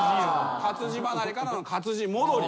活字離れからの活字戻り。